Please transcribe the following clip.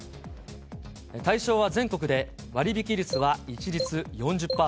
対象は全国で、割引率は一律４０％。